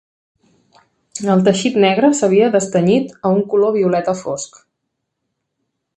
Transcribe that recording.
El teixit negre s'havia destenyit a un color violeta fosc.